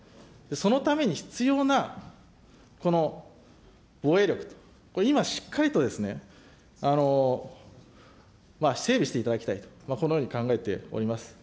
そのために必要なこの防衛力と、今、しっかりと整備していただきたいと、このように考えております。